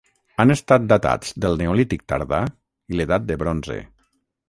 Han estat datats del neolític tardà i l'edat de bronze.